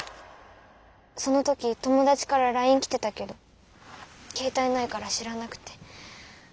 その時友達からライン来てたけど携帯ないから知らなくて。